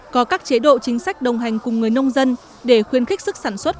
có các chế độ chính sách đồng hành cùng người nông dân để khuyên khích sức sản xuất